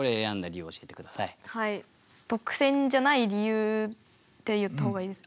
特選じゃない理由って言った方がいいですか？